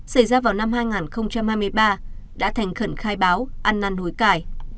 xảy ra vào năm hai nghìn hai mươi ba đã thành khẩn khai báo ăn năn hối cải